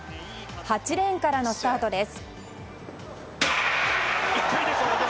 ８レーンからのスタートです。